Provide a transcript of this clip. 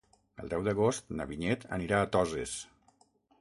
El deu d'agost na Vinyet anirà a Toses.